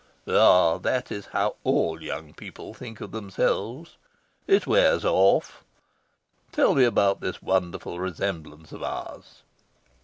"Ah, that is how all young people think of themselves. It wears off. Tell me about this wonderful resemblance of ours."